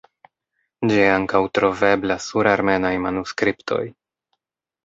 Ĝi ankaŭ troveblas sur armenaj manuskriptoj.